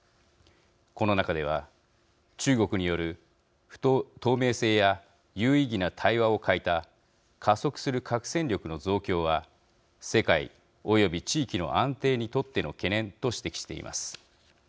この中では、中国による透明性や有意義な対話を欠いた加速する核戦力の増強は世界および地域の安定にとっての懸念と指摘しています。